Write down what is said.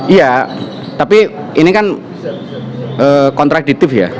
iya tapi ini kan kontradiktif ya